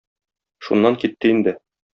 Шуннан китте инде.